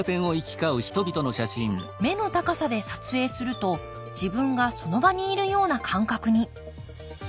目の高さで撮影すると自分がその場にいるような感覚に。